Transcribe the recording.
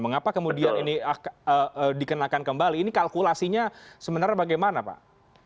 mengapa kemudian ini dikenakan kembali ini kalkulasinya sebenarnya bagaimana pak